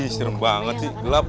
serem banget sih gelap